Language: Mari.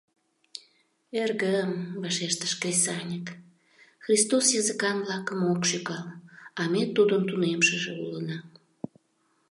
«Эргым, — вашештыш кресаньык, — Христос языкан-влакым ок шӱкал, а ме Тудын тунемшыже улына».